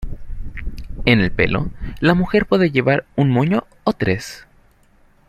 En el pelo, la mujer puede llevar un moño o tres.